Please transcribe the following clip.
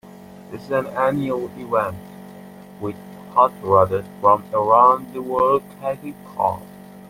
This is an annual event, with hot rodders from around the world taking part.